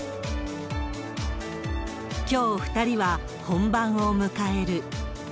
きょう、２人は本番を迎える。